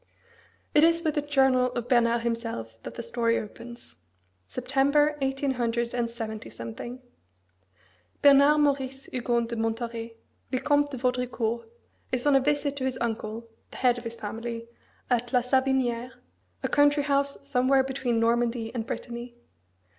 It is with the journal of Bernard himself that the story opens, September 187 . Bernard Maurice Hugon de Montauret, Vicomte de Vaudricourt, is on a visit to his uncle, the head of his family, at La Savinière, a country house somewhere between Normandy and Brittany.